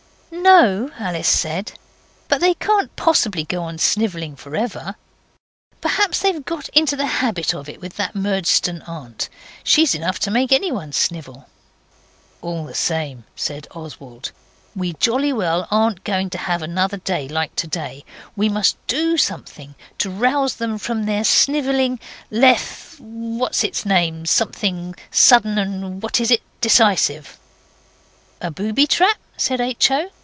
'No,' Alice said, 'but they can't possibly go on snivelling for ever. Perhaps they've got into the habit of it with that Murdstone aunt. She's enough to make anyone snivel.' 'All the same,' said Oswald, 'we jolly well aren't going to have another day like today. We must do something to rouse them from their snivelling leth what's its name? something sudden and what is it? decisive.' 'A booby trap,' said H. O.